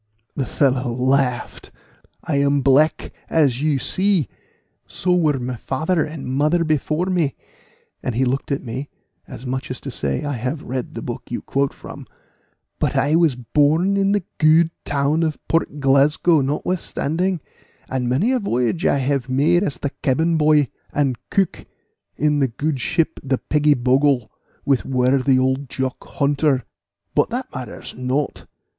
The fellow laughed. "I am black, as you see; so were my father and mother before me." And he looked at me, as much as to say, I have read the book you quote from. "But I was born in the good town of Port Glasgow notwithstanding, and many a voyage I have made as cabin boy and cook in the good ship the Peggy Bogle, with worthy old Jock Hunter; but that matters not.